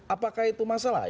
apakah itu masalah